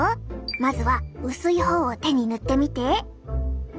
まずは薄いほうを手に塗ってみて！